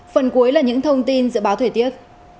phần cuối là những thông tin dự báo thời tiết